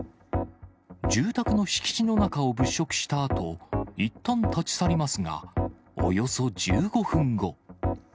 住宅の敷地の中を物色したあと、いったん、立ち去りますが、およそ１５分後。